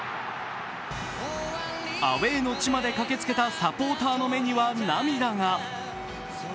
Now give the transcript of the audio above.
アウェーの地まで駆けつけたサポーターの目には涙が。